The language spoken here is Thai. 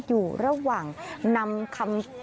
อยู่ระหว่างนำคำ